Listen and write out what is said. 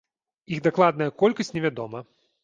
Іх дакладная колькасць невядома.